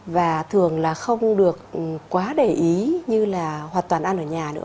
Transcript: và thường không được quá để ý như là hoặc toàn ăn ở nhà nữa